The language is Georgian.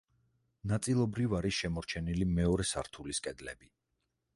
ნაწილობრივ არის შემორჩენილი მეორე სართულის კედლები.